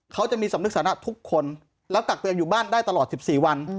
เขาจะมีสำนึกสานะทุกคนแล้วตักเตือนอยู่บ้านได้ตลอด๑๔วัน